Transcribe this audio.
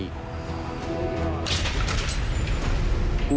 ก็จะมีรถมาทับซ้ำ